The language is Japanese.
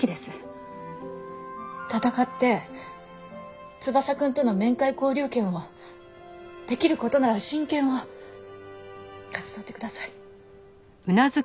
闘って翼くんとの面会交流権をできる事なら親権を勝ち取ってください。